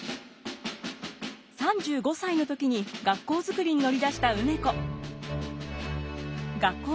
３５歳の時に学校作りに乗り出した梅子。